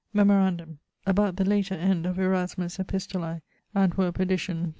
Memorandum: about the later end of Erasmus's Epistolae, Antverp edition, pag.